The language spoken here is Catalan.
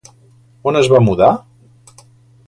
On es va mudar?